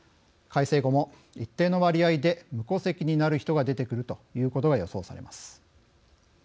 改正後も、一定の割合で無戸籍になる人が出てくるということが予想されます。